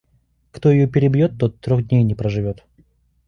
Кто ее перебьет, тот трех дней не проживет.